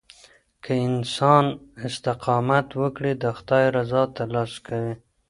که انسان استقامت وکړي، د خداي رضا ترلاسه کوي.